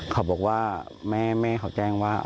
เขาบอกว่าแม่เขาแจ้งว่า